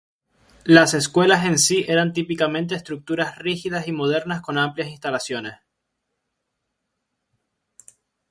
Las escuelas en sí eran típicamente estructuras rígidas y modernas con amplias instalaciones.